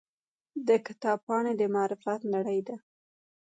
د کتاب پاڼې د معرفت نړۍ ده.